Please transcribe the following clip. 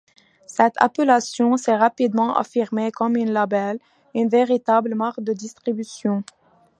Cette appellation s’est rapidement affirmée comme un label, une véritable marque de distribution.